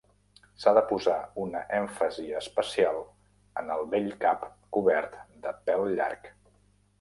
S'ha de posar una èmfasi especial en el bell cap cobert de pèl llarg.